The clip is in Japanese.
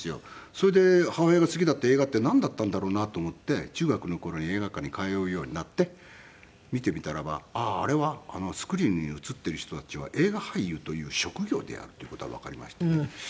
それで母親が好きだった映画ってなんだったんだろうなと思って中学の頃に映画館に通うようになって見てみたらばああーあれはあのスクリーンに映っている人たちは映画俳優という職業であるという事がわかりましてね。